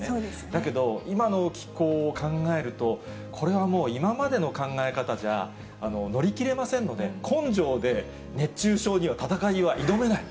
だけど、今の気候を考えると、これはもう今までの考え方じゃ乗り切れませんので、根性で熱中症には戦いは挑めない。